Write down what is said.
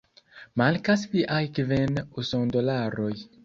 Mankas viaj kvin usondolaroj